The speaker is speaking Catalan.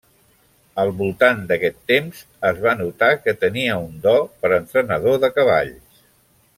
Al voltant d'aquest temps, es va notar que tenia un do per entrenador de cavalls.